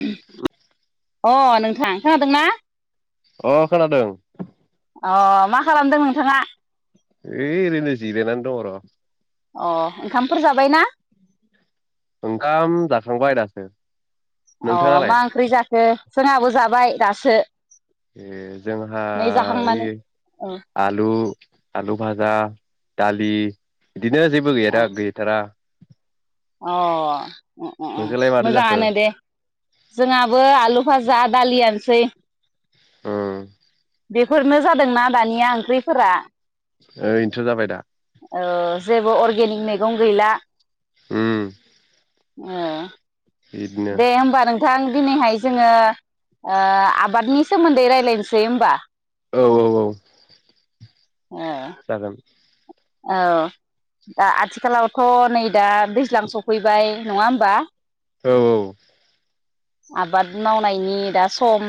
[unintelligible] अ नोंथां खोनादोंना? अ खोनादों। अ मा खालामदों नोंथाङा? ओइ ओरैनो जिरायना दङ र'। अ ओंखामफोर जाबायना? ओंखाम जाखांबाय दासो। अ नोंथाङालाय मा ओंख्रै जाखो जोंहाबो जाबाय। दासो ए जोंहा नै जाखांनानै इ औ आलु आलु भाजा दालि इदिनो जेबो गैरा गैथारा। अ अ अ अ नोंसोरलाय माथो जाखो मोजाङानो दे जोंहाबो आलु फाज जा दालि आनसै। उम बेफोरनो जादोंना दानिया ओंख्रिफोरा। ओ इनथ' जाबाय दा। ओ जेबो अर्गेनिक मेगं गैला। उम ओ बिदिनो दे होमबा नोंथां दिनैहाय जोङो ओ आबादनि सोमोन्दै रायजलायनोसै होमबा औ औ औ। ओ जागोन औ दा आथिखालावथ' नै दा दैज्लां सफैबाय नङा होमबा? औ औ। आबाद मावनायनि दा सम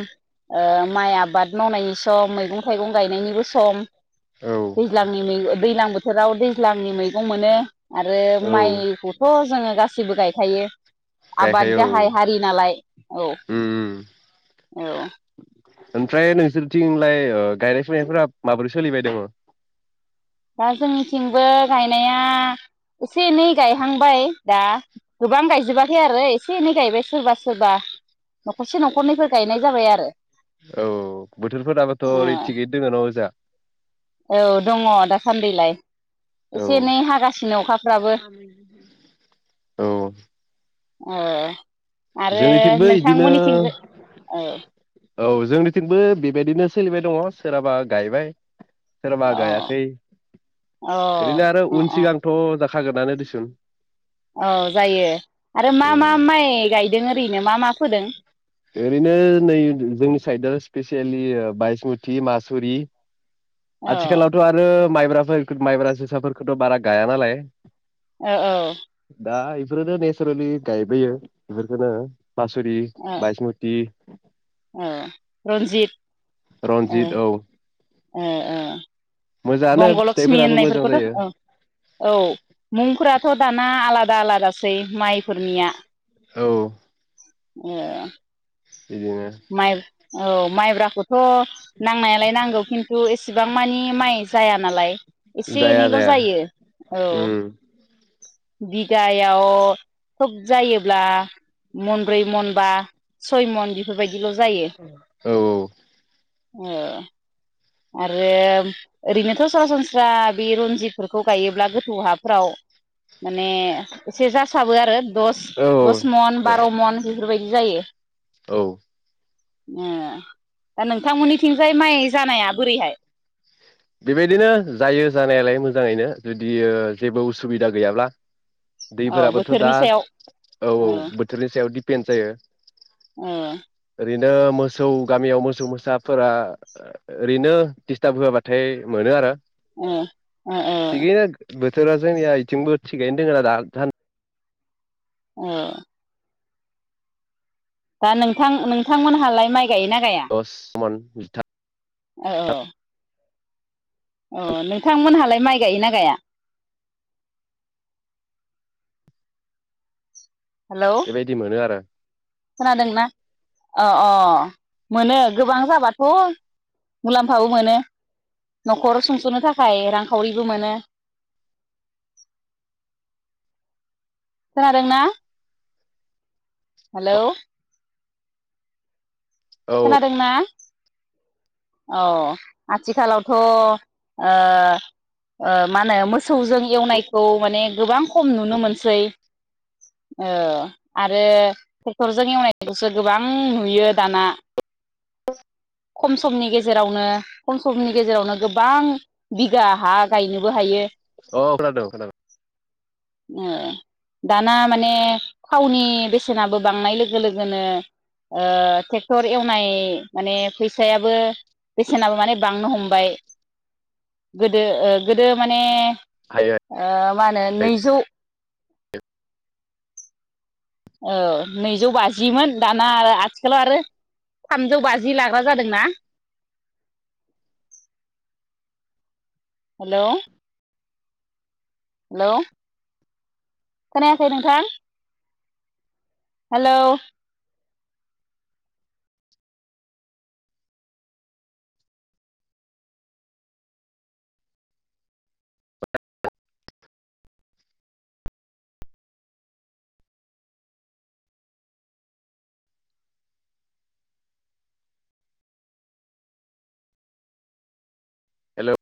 ओ माइ आबाद मावनायनि सम मैगं थाइगं गायनायनिबो सम। औ दैज्लांनि मै दैलां बोथ थोराव दैज्लांनि मैगं मोनो। आरो औ माइखौथ' जोङो गासिबो गाय खायो आबाद गायखायो औ औ। गाहाय हारि नालाय। औ उम उम औ ओमफ्राय नोंसोरथिंलाय ओ गायनाय फुनायफोरा माबोरै सोलिबाय दङो? दा जोंनिथिंबो गायनाया एसे एनै गायहांबाय दा गोबां गायजोबाखै आरो एसे एनै गायबाय सोरबा सोरबा न'खरसे न'खरनैफोर गायनाय जाबाय आरो। औ बोथोरफोराबोथ' ओरै ओ थिगैनो दोङो न ओजा औ दङ दासान्दैलाय औ औ ओ आरो जोंनिथिंबो नोंथां इदिनो मोनिथिंबो औ औ जोंनिथिंबो बेबायदिनो सोलिबाय दङ सोरहाबा गायबाय सोरबा गायाखै अ ओरैनो आरो अ उन अ सिगांथ' जाख खागोनानो देसुन औ जायो आरो मा मा उम माइ गाय ओरैनो नै जोंनि साइदआ स्पेसियलि बायसमुथि मासुरि औ आथिखालावथ' आरो माइब्रा माइब्रा जोसाफोरखौथ' बारा गाया नालाय औ औ बेफोरनो नेसारेलि गायबोयो बेफोरखौनो बासुरि ओ बायसमति ओ रन्जित रन्जित औ मोजाङानो बंग' लक्ष्मि फिथाइफोराबो मोजां होननायफोरखौथ' जायो औ औ मुंफोराथ' दाना आलादा दाला दासै माइफोरनिया औ ए बिदिनो औ माइब्राखौ थ' नांनायालाय नांगौ खिन्थु एसेबां मानि माइ जाया नालाय एसे जाया एनैल' जाया जायो औ उम बिगायाव थोब जायोब्ला मनब्रै मन बा सय मन बेफोरबायदि औ औ आरो ओरैनोथ' सरासनस्रा बे रनजित खौ गायोब्ला गोथौ हाफोराव माने एसे जासाबो आरो दस औ दस मन जायो बार' मन बेफोरबायदि बिदि जायो। औ ओ दा नोंथांमोननिथिंजाय माइ जानाया? बोरैहाय बेबायदिनो जायो जानायालाय मोजाङैनो जुदि जेबो उसुबिदा गैयाब्ला। औ दैफोराबोथ' दा बोथोरनि सायाव औ औ बोथोरनि सायाव दि पेन जायो। अ रैनो मोसौ गामियाव मोसौ मोसाफोरा ओरैनो दिस्टार्ब होआबा थाय मोनो आरो। ओ ओ ओ। थोरा जोंनिया इथिंबो थिगैनो दोङोना रा दान औ दा नोंथां नोंथांमोनहालाय माइ गायोना दस मन जिथा ओ ओ ओ अ नोंथांमोनहालाय माइ गायोना गाया? हेलौ बेबायदि मोनो आरो। खोनादोंना अ अ मोनो गोबां जाबाथ' मुलामफाबो मोनो न'खर सुंस'नो थाखाय रांखावरिबो मोनो खोनादों ना? हेलौ औ खोनादोंना? अ आथिखालावथ' ओ ओ मा होनो मोसौजों एवनायखौ माने गोबां खम नुनो मोनसै ओ आरो टेक्टरजों एवनायखौसो गोबां नुयो दाना। खम समनि गेजेरावनो खम समनि गेजेरावनो गोबां बि गा हा गायनोबो हायो औ अ खोनादों खोनादों ओ दाना माने थावनि बेसेनाबो बांनाय लोगो लोगोनो ओ टेक टर एवनाय माने फैसायाबो बेसेनाबो माने बांनो हमबाय गोदो ओ गोदो माने हायो ओ मा होनो हायो नैजौ ओ नैजौ बाजिमोन दाना आथिखालाव आरो थामजौ बाजि लाग्रा जादोंना? हेलौ हेलौ खोनायाखै नोंथां? Hello hello